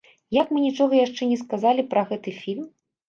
Як, мы нічога яшчэ не сказалі пра гэты фільм?